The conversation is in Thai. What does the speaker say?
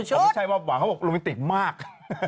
แต่ไม่ใช่ว่าหวานเขาบอกโรแมนติกมาก